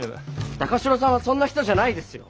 高城さんはそんな人じゃないですよ！